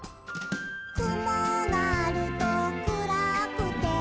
「くもがあると暗くて」